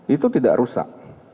itu tidak rusak